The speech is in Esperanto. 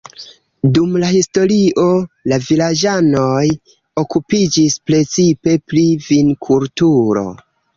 Dum la historio la vilaĝanoj okupiĝis precipe pri vinkulturo.